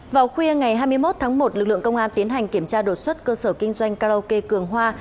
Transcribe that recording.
vào khuya ngày hai mươi một tháng một lực lượng công an tiến hành kiểm tra đột xuất cơ sở kinh doanh karaoke cường hoa